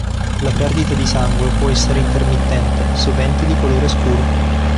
La perdita di sangue può essere intermittente, sovente di colore scuro.